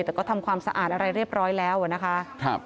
แต่ก็ทำความสะอาดอะไรเรียบร้อยแล้วอะนะคะ